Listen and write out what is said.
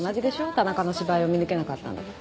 田中の芝居を見抜けなかったんだから。